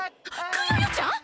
クヨヨちゃん！？